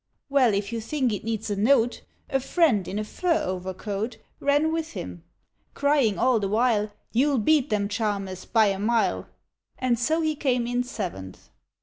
— Well, if you think it needs a note, A friend in a fur overcoat Ran with him, crying all the while, " You'll beat 'em, Charmus, by a mile !" And so he came in seventh.